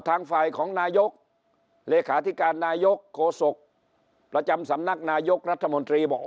ทางฝ่ายของนายกเลขาธิการนายกโฆษกประจำสำนักนายกรัฐมนตรีบอก